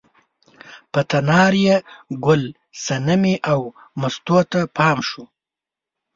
په تنار یې ګل صنمې او مستو ته پام شو.